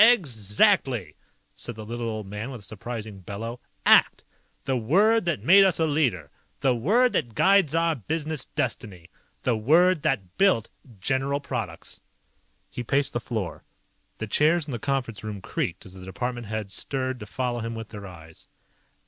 "Exactly!" said the little old man with a surprising bellow. "ACT! The word that made us a leader. The word that guides our business destiny. The word that built General Products!" He paced the floor. The chairs in the conference room creaked as the department heads stirred to follow him with their eyes.